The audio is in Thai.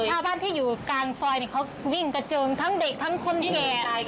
ชาวบ้านที่อยู่กลางซอยเขาวิ่งกระเจิงทั้งเด็กทั้งคนแก่